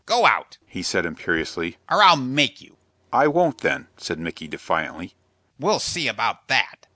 "Go out!" he said, imperiously, "or I'll make you." "I won't then," said Micky, defiantly. "We'll see about that."